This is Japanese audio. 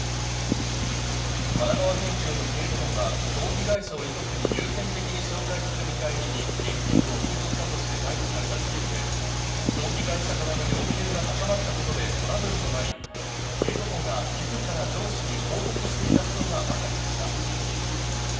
神奈川県警の警部補が葬儀会社を遺族に優先的に紹介する見返りに現金を受け取ったとして逮捕された事件で、葬儀会社側の要求が高まったことでトラブルとなり、警部補が自ら上司に報告していたことがわかりました。